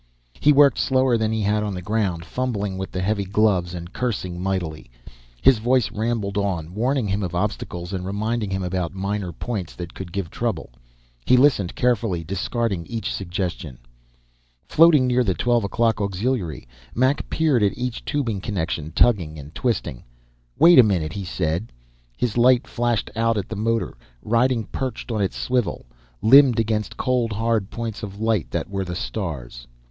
He worked slower than he had on the ground, fumbling with the heavy gloves and cursing mightily. His voice rambled on, warning him of obstacles and reminding him about minor points that could give trouble. He listened carefully, discarding each suggestion. Floating near the twelve o'clock auxiliary, Mac peered at each tubing connection, tugging and twisting. "Wait a minute," he said. His light flashed out at the motor, riding perched on its swivel, limned against cold, hard points of light that were the stars.